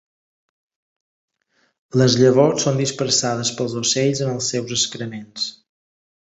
Les llavors són dispersades pels ocells en els seus excrements.